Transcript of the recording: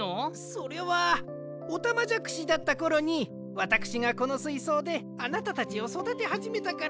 それはオタマジャクシだったころにわたくしがこのすいそうであなたたちをそだてはじめたから。